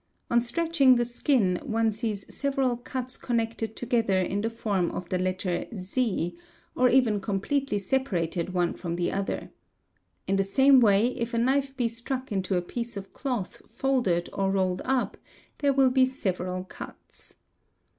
On stretching the skin, one sees several cuts connected together in the form of the letter Z, or even completely separated one from the other. In the same ~ way, if a knife be struck into a piece of cloth folded or rolled up there will be several cuts.